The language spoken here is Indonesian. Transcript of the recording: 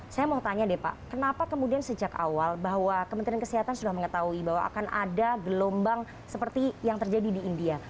saya mau tanya deh pak kenapa kemudian sejak awal bahwa kementerian kesehatan sudah mengetahui bahwa akan ada gelombang seperti yang terjadi di india